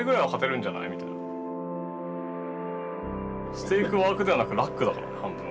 ステークワークではなくラックだからね半分。